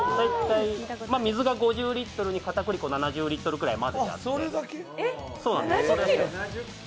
水が５０リットルにかたくり粉７０リットル混ぜて。